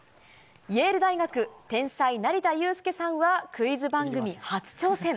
イェール大学、天才、成田悠輔さんはクイズ番組初挑戦。